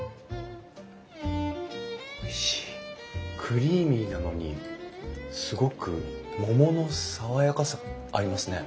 クリーミーなのにすごく桃の爽やかさがありますね。